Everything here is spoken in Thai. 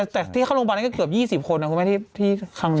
แต่ที่เข้าโรงพยาบาลนั้นก็เกือบ๒๐คนนะคุณแม่ที่ครั้งนี้